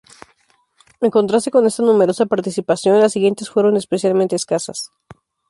En contraste con esta numerosa participación, las siguientes fueron especialmente escasas.